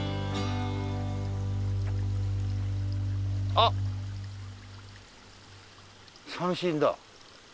あっ！三線だ。